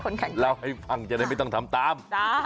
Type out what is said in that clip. เล่าให้ฟังจะได้ไม่ต้องทำตาม